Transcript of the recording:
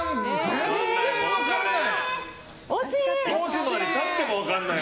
全然分からない！